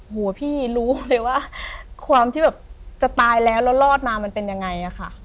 พี่รู้เลยว่าความที่แบบจะตายแล้วแล้วรอดมามันเป็นยังไงอะค่ะ